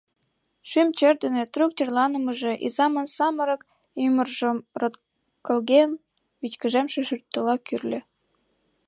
Шӱм чер дене трук черланымыже изамын самырык ӱмыржым роткылген вичкыжемше шӱртыла кӱрльӧ.